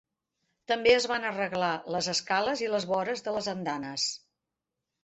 També es van arreglar les escales i les vores de les andanes.